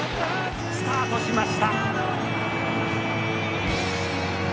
「スタートしました！」